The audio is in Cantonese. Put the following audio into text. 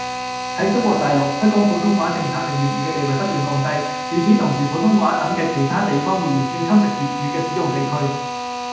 喺中國大陸，推廣普通話政策令粵語嘅地位不斷降低，與此同時普通話等嘅其他地方語言正侵蝕粵語嘅使用地區